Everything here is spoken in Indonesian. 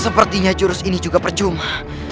sepertinya jurus ini juga percuma